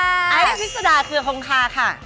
อายุพิษฎาเคลือคงคาค่ะ